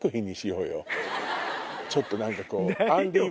ちょっと何かこう。